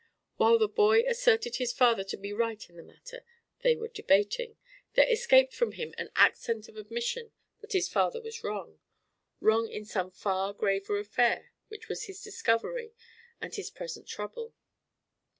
While the boy asserted his father to be right in the matter they were debating, there escaped from him an accent of admission that his father was wrong wrong in some far graver affair which was his discovery and his present trouble.